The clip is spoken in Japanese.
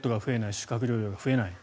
宿泊療養が増えない。